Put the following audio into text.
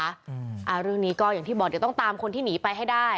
อ่าเรื่องนี้ก็อย่างที่บอกเดี๋ยวต้องตามคนที่หนีไปให้ได้